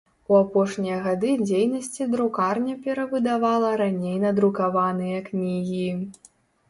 У апошнія гады дзейнасці друкарня перавыдавала раней надрукаваныя кнігі.